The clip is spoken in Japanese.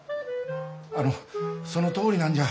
あのそのとおりなんじゃ。